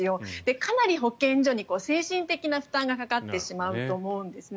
かなり保健所に精神的な負担がかかってしまうと思うんですね。